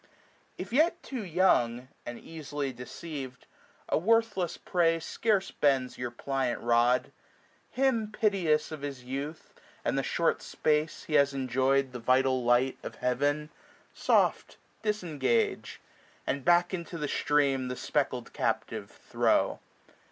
If yet too young, and easily deceiv*d, A worthless prey scarce bends your pliant rod j 415 Him piteous of his youth and the short space He has enjoy'd the vital light of Heaven, Soft disengage ; and back into the stream The speckled captive throw.